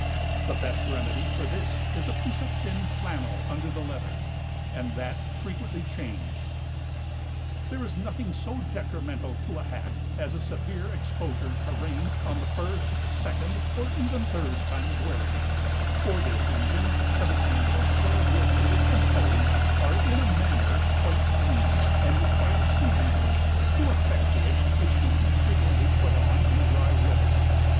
The best remedy for this is a piece of thin flannel under the leather, and that frequently changed. There is nothing so detrimental to a Hat as a severe exposure to rain on the first, second, or even third time of wearing; for this reason, the materials wherewith it is composed are in a manner quite green, and require seasoning; to effect which it should be frequently put on in dry weather.